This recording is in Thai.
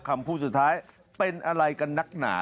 คำพูดสุดท้ายเป็นอะไรกันนักหนา